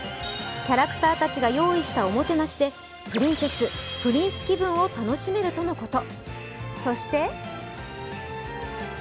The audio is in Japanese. キャラクターたちが用意したおもてなしで、プリンセス・プリンス気分を楽しめるとのこと。